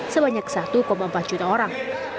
sebanyak satu empat juta orang